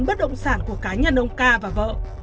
bất động sản của cá nhân ông ca và vợ